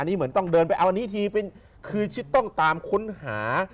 อันนี้เหมือนต้องเดินไปเอาอันนี้ทีเป็นคือต้องตามค้นหา